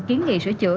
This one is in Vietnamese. kiến nghị sửa chữa